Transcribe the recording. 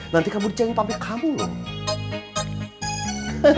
nanti kamu di jalanin pampit kamu loh